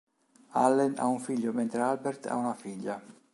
Allen ha un figlio, mentre Albert ha una figlia.